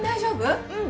うん。